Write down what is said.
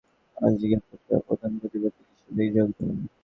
সম্প্রতি তিনি অপ্রকাশিত দৈনিক আজকের পত্রিকার প্রধান প্রতিবেদক হিসেবে যোগ দেন।